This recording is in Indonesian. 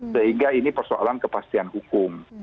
sehingga ini persoalan kepastian hukum